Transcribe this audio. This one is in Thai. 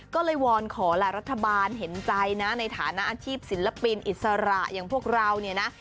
ก็เลยวอนขอแหละรัฐบาลเห็นใจนะในฐานะอาชีพศิลปินอิสระอย่างพวกเราเนี่ยนะ